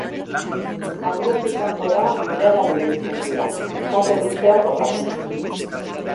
Habiatik kanpora ilaran ibiltzen dira, kate luzeak osatuz.